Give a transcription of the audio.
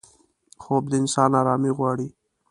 خوب د انسان آرامي غواړي